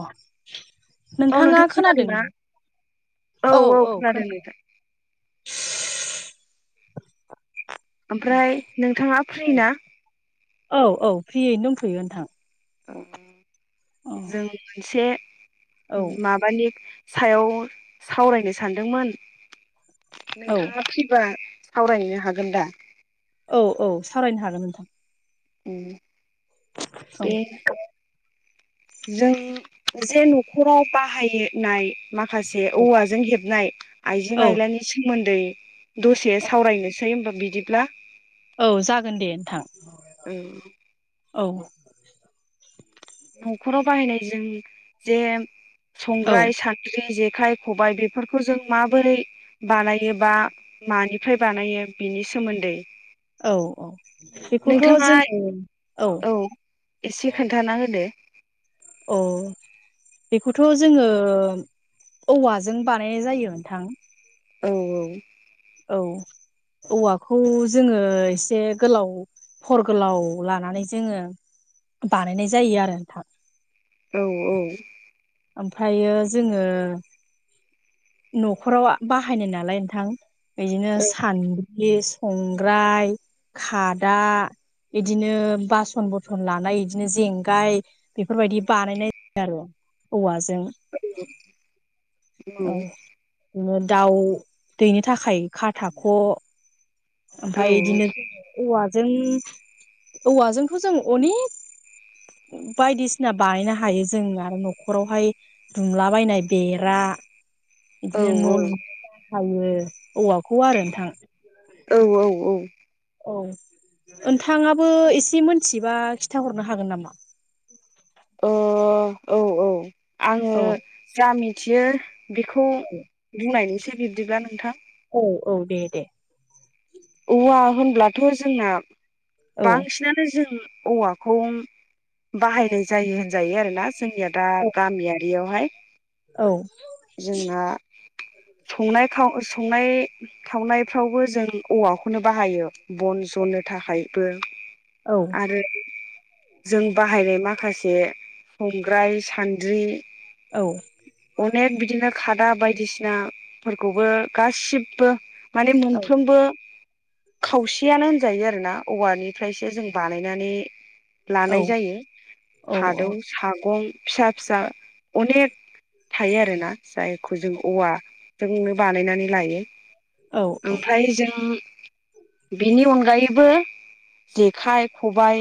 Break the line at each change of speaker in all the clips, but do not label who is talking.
अ
औ
नोंथाङा
नोंथां
खोनादों?
खोनादोंना
औ औ खोनादों
ओमफ्राय नोंथाङा फ्रि ना?
औ औ फ्रियैनो दंफैयो नोंथां औ
जों मोनसे
औ
माबानि सायाव सावरायनो सानदोंमोन नोंथाङा फैबा सावरायहैनो हागोन दा
औ औ सावरायनो हागोन नोंथां
उम
औ
जों जे न'खराव बाहायोनाय माखासे औवाजों हेबनाय आइजें
औ
आइलानि सोमोन दै दसे सावरायनोसै होमबा बिदिब्ला
औ जागोन दे नोंथां औ
न'खराव बाहायनाय जों जे
औ
संग्राय सानद्रि जे खाइ खबाइ बेफोरखौ जों माबोरै बानायोबा मानिफ्राय बानायो बिनिस सोमोन्दै
औ औ बेखौथ'
नोंथाङा
जोङो
औ एसे खोन्थाना ए
अ बेखौथ' जोङो औवाजों बानायनाय जायो नोंथां
औ औ
औ औवाखौ जोङो एसे गोलाव हर गोलाव लानानै जोङो बानायनाय जायो आरो नोंथां
औ औ
ओमफायो जोङो न'खराव बाहायनाय नालाय नोंथां इदिनो
औ
सान लि संग्राय खादा इदिनो बासन बथन लानाय इदिनो जेंगाय बेफोरबायदि बानायनाय जायो आरो
औ
नो दाउ दैनो थाखाय खाथाख'
औ
ओमफाय इदिनो औवाजों औवाजोंथ' जों अनेक बायदिसिना बानायनो हायो जों आरो न'खरावहाय दुमला बायनाय बेरा
औ
बिदिनो न' लुनो बाहायो औवाखौ आरो नोंथां
औ औ
औ नोंथाङाबो एसे मोनथियोबा खिथाहरनो हागोन नामा
ओ औ औ आङो
औ
जा मिथियो बेखौ
औ
बुंनायनि से बिबदिब्ला नोंथां
औ औ दे दे
ब्लाथ' जोंना
औ
बांसिनानो जों औवाखौ बाहायनाय जायो होनजायो आरोना जोंनिया दा
औ
गामियारियाव हाय
औ
जोंना संनाय खाव संनाय खावनायफ्रावबो जों औवाखौनो बाहायो बन जननो थाखायबो
औ
आरो जों बाहायनाय माखासे से संग्राय सान्द्रि
औ
अनेक बिदिनो खाद दा बायदिसिनाफोरखौबो गासिबो माने
औ
मोनफ्रोमबो खावसेयानो होनजायो आरोना औवानिफ्रायसो जों बानायनानै
औ
लानाय जायो
औ औ
खादौ सागं फिसा फिसा अनेक थायो आरोना जायखौ जों औवाजोंनो बानायनानै लायो
औ
ओमफ्राय जों बिनि अनगायैबो जेखाइ खबाइ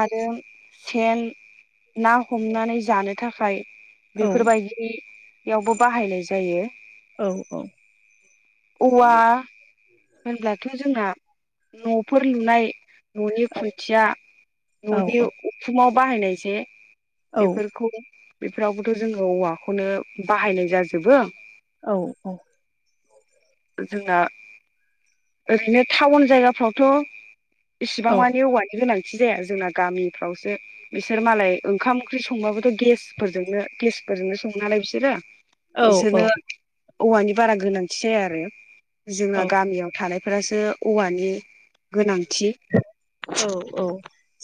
आरो सेन ना हमनानै जानो थाखाय
औ
बेफोरबायदि यावबो बाहायनाय जायो औवा होनब्लाथ' जोंना न'फोर लुनाय न'नि खुन्थिया न'नि उखुमाव बाहायनाय जे बेफोरखौ बेफोरावबोथ' जोङो औवाखौनो बाहायनाय जाजोबो जोंना ओरैनो टाउन जायगाफ्रावथ' एसिबां मानि औवानि गोनां दि जाया जोंना गामिफ्रावसो बिसोर मालाय ओंखाम ओंख्रि संबाबोथ' गेसफोरजोंनो गेस फोरजोंनो सङोनालाय बिसोरो
औ औ
बिसोरनो औवानि बारा गोनांथि जाया आरो
औ
जोंना गामियाव थानायफोरासो औवानि गोनांथि
औ औ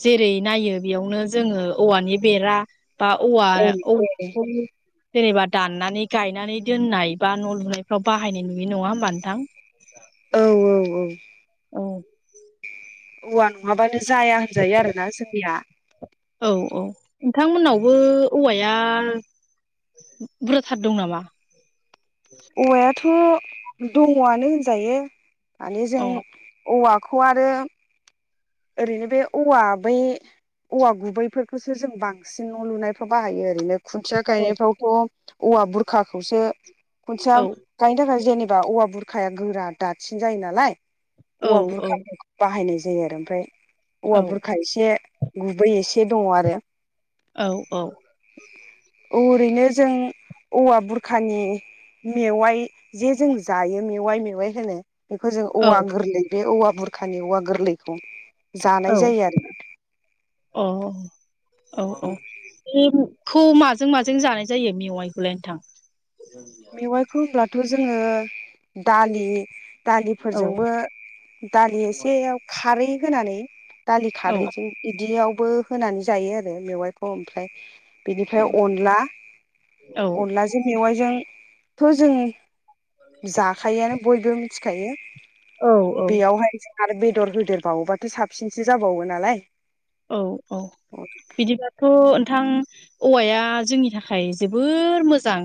जेरै नायो बेयावनो जोङो औवानि बेरा बा औवा औ [unintelligible] जेनेबा दाननानै गायनानै दोननाय बा न' लुनायफ्राव बाहायनाय नुयो नङा होमबा नोंथां
औ औ
औ
औवा नङाबानो जाया होनजायो आरो ना जोंनिया
बो औवाया बुरजाथार दं नामा
औवायाथ' दङआनो होनजायो माने
औ
जों औवा खौ आरो ओरैनो बे औवा बै औवा गुबैफोरखौसो जों बांसिन न' लुनायफ्राव बाहायो ओरैनो खुन्थिया
औ
गायनायफ्रावथ' औवा बुरखाखौसो खुन्थिया
औ
गायनो थाखाय जेनेबा बा औवा बुरखाया गोरा दासिन जायो नालाय
औ
औवा
औ
बुरखा बाहायनाय जायो आरो ओमफ्राय औवा
औ
बुरखा एसे गुबै एसे दङ आरो
औ औ
ओरैनो जों औवा बुरखानि मेवाइ जे जों जायो मेवाइ मेवाइ होनो बेखौ जों औवा गोरलै बे औवा बुरखानि औवा गोरलैखौ
औ
जानाय जायो आरो
अ औ औ खौ माजों माजों जानाय जायो मेवाइखौलाय नोथां
मेवाइखौ होनब्लाथ' जोङो दालि
औ
दालिफोरजोंबो दालि एसेयाव खारै होनानै दालि
औ
खारैजों बिदियावबो होनानै जायो आरो मेवाइखौ ओमफ्राय
औ
बिनिफ्राय अनला
औ
अनलाजों मेवाइजोंथ' जों जाखायोआनो बयबो मिथिखायो
औ
बेयावहाय जों आरो बे दर होदेरबावोबाथ' साबसिनसो जाबावो नालाय
औ औ बिदिबाथ' नोंथां औवाया जोंनि थाखाय जोबोर मोजां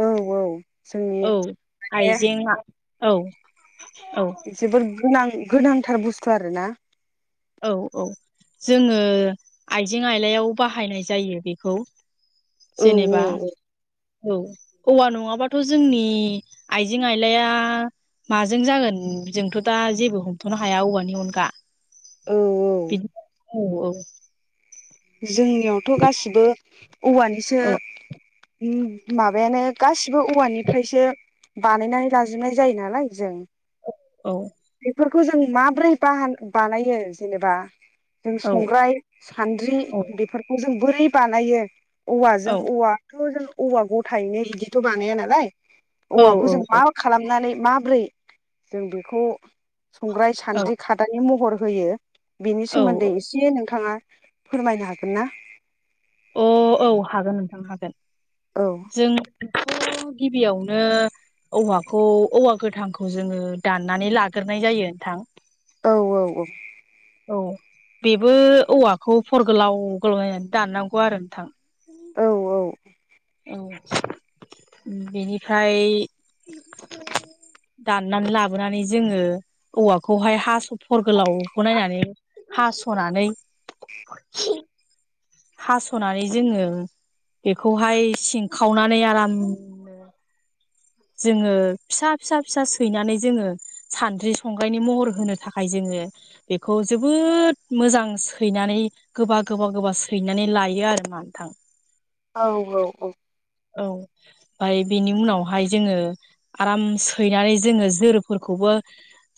औ जोंनि
औ
बे
आइजेंआ औ औ
जबोर गोनां गोनांथार बुस्थु आरोना
औ औ जोङो आइजें आइलायाव बाहायनाय जायो बेखौ
औ
जेनेबा औ औवा नङाबाथ' जोंनि आइजें आइलाया माजों जागोन जोंथ' दा जेबो हमथ'नो हाया औवानि अनगा
औ औ
बिदिनो औ औ
जोंनियावथ' गासिबो औवानिसो
औ
ओम माबायानो गासि बो औवानिफ्रायसो बानायनानै लाजोबनाय जायो नालाय जों
औ
बेखौ जों माब्रै बाहा बानायो जेनेबा जों
औ
संग्राय सान्द्रि
औ
बेफोरखौ जों बोरै बानायो
औ
औवाजों औवाथ' जों औवा गथायैनो बिदिथ' बानाया नालाय
औ
औवाखौ जों मा खालामनानै माब्रै जों बेखौ संग्राय सान्द्रि खादानि महर होयो बिनि
औ
सोमोन्दै
औ
एसे नोंथाङा फोरमायनो हागोन ना
अ औ हागोन नोंथां हागोन
औ
जोंथ' गिबियावनो औवाखौ औवा गोथांखौ जोङो दाननानै लाग्राय जायो नोंथां
औ औ औ
औ बेबो औवाखौ फर गोलाव गोलाव नायनानै दाननांगौ आरो नोंथां
औ औ
औ बेनिफ्राय दाननानै लाबोनानै जोङो औवाखौहाय हास फर गोलावखौ नायनानै हास'नानै हास'नानै जोङो बेखौहाय सिंखावनानै आराम जोङो फिसा फिसा फिसा सैनानै जोङो सानद्रि संग्रायनि महर होनो थाखाय जोङो बेखौ जोबोद मोजां सैनानै गोबा गोबा गोबा सैनानै लायो आरो नोथां
औ औ औ
औ ओमफ्राय बेनि उनावहाय जोङो आराम सैनानै जोङो जोरोफोर खौबो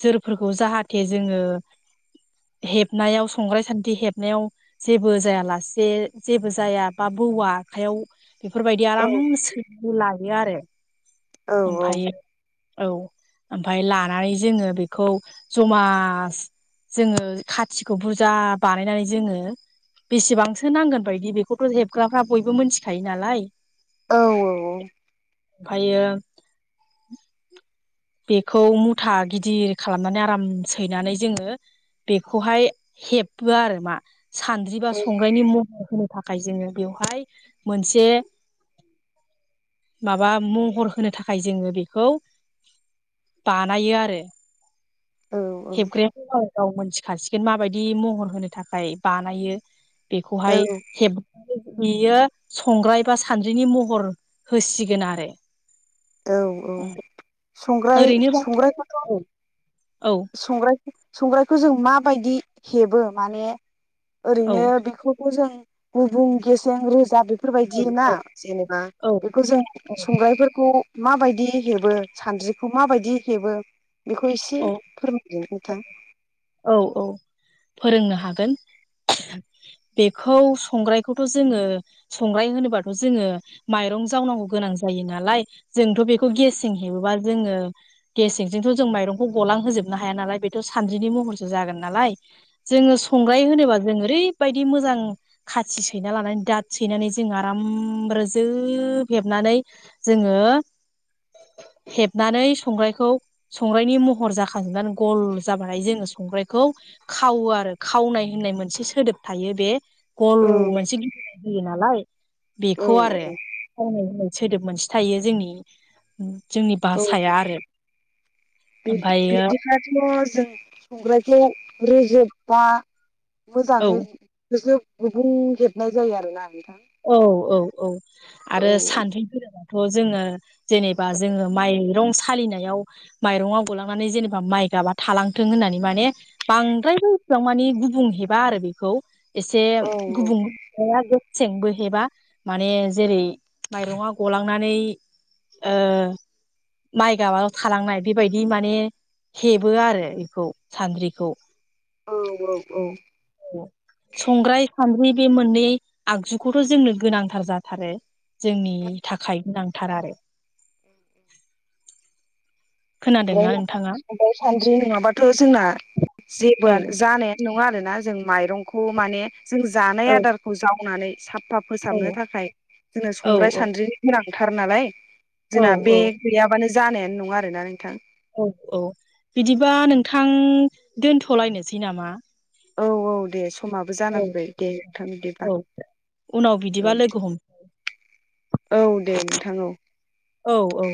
जोरफोरखौ जाहाथे जोङो हेबनायाव संग्राय सान्द्रि हेबनायाव जेबो जायालासे जेबो जाया बा बौवा आखाइयाव बेफोरबाय
औ
आराम सैनानै लायो आरो
औ
ओमफायो औ ओमफाय लानानै जोङो बेखौ जमा जोङो खाथिखौ बुरजा बानायनानै जोङो बेसेबांसो नांगोन बायदि बेखौथ' हेबग्राफ्रा बयबो मिथिखायो नालाय
औ औ औ
ओमफायो बेखौ मुथा गिदिर खालामनानै आराम सैनानै जोङो बेखौहाय हेबो आरो मा सानद्रि बा संग्रायनि महर होनो थाखाय जोङो बेवहाय मोनसे माबा महर होनो थाखाय जोङो बेखौ बानायो आरो
औ
हेबग्रायाथ' गाव गाव मोनथिखासिगोन माबायदि महर होनो थाखाय बानायो बेखौहाय
औ
हेबग्राया बियो संग्राय बा सानद्रिनि महर होसिगोन आरो
औ औ संग्राराय
ओरैनोबाथ'
संग्रारायखौथ'
औ
संग्राय संग्रायखौ जों माबायदि हेबो माने
औ
ओरैनो बेखौथ' जों गुबुं गसेें रोजा बे फोरबायदि ना जेनेबा बेफोरजों
औ
संग्रायफोरखौ माबायदि हेबो सानद्रिखौ माबायदि हेबो बेखौ एसे
औ
फोरमादो नोंथां
औ औ फोरोंनो हागोन बेखौ संग्रायखौथ' जोङो संग्राय होनोबाथ' जोङो माइरं जावनांगौ गोनां जायो नालाय जोथ' बेखौ गेसें हेबोबा जोङो गेसेंजोंथ' गलां होजोबनो हाया नालाय बेथ' सानद्रिनि महरसो जागोन नालाय जोङो संग्राय होनोबा जों ओरैबायदि मोजां खाथि सैना लानानै दाद सैनानै जों आराम रोजोब हेबनानै जोङो हेबनानै संग्रायखौ संग्रायनि महर महर जाखांजोबनानै गल जाबाथाय जोङो संग्रायखौ खावो आरो खावनाय होननाय मोनसे सोदोब थायो बे गल
औ
मोनसे [unintelligible] होयो नालाय
औ
बेखौ आरो खावनाय होनो सोदोब मोनसे थायो जोंनि जोंनि भाषाया आरो ओमफ्रायो
बिदिबाथ' जों संग्रायखौ रोेजोबबा
औ
मोजाङै रोजोब गुबुं हेबनाय जायो आरोना
औ औ औ आरो
औ
सानथै [unintelligible] जोङो जेनेबा जोङो माइरं सालिनायाव माइरंआव गलांनानै जेनेबा माइगाबा थालांथों होननानै माने बांद्राय बो मानि गुबुं हेबा आरो बेखौ एसे
औ
गुबुं गेसेंबो हेबा माने जेरै माइरङा गलांनानै ओ माइगाबाल' थालांनाय बेबायदि माने हेबो आरो बेखौ सान्द्रिखौ
औ औ औ
औ संग्राय सान्द्रि बे मोननै आगजुखौथ' जोंनो गोनांथार जाथारो जोंनि थाखाय गोनांथार आरो खोनादोंना नोंथाङा
संग्राइ सान्द्रि नङाबाथ' जोंना जेबो
औ
जानायानो नङा आरोना जों माइरंखौ माने जों जानाय
औ
आदारखौ जावनानै साफा
औ
फोसाबनो थाखाय जोङो
औ
संग्राय सानद्रिनि गोनां थथार नालाय
औ
जोंना बे गैयाबानो जानायानो नङा आरोना नोंथां
औ औ बिदिबा नोंथां दोनथ'लायनोसै नामा
औ औ दे समाबो जाना
औ
फैबाय दे नोंथां बिदिबा
औ उनाव बिदिबा
औ
लोगो हम
औ दे नोंथां औ
औ औ